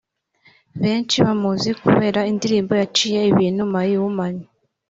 Benshi bamuzi kubera indirimbo yaciye ibintu ‘My Woman